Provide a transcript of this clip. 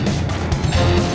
lo sudah bisa berhenti